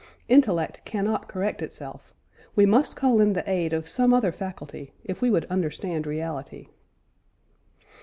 Intellect cannot correct itself; we must call in the aid of some other faculty if we would understand reality.